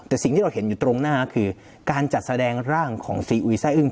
แต่สิ่งที่เราเห็นอยู่ตรงหน้าคือการจัดแสดงร่างของซีอุยแซ่อึ้ง